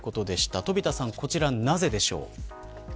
飛田さん、こちらはなぜですか。